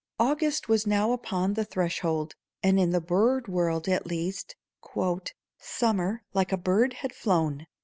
August was now upon the threshold, and in the bird world at least "Summer like a bird had flown."